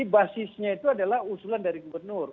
basisnya itu adalah usulan dari gubernur